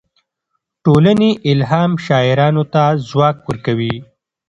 ټولنې الهام شاعرانو ته ځواک ورکوي.